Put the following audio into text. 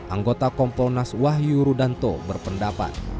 anggota kompolnas wahyu rudanto berpendapat